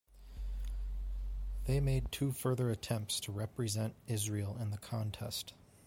They made two further attempts to represent Israel in the contest.